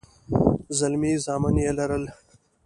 زلمي زامن يې لرل.